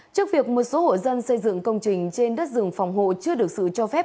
trước việc một số hộ dân xây dựng công trình trên đất rừng phòng hộ chưa được sự cho phép